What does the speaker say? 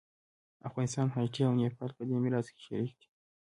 افغانستان، هایټي او نیپال په دې میراث کې شریک دي.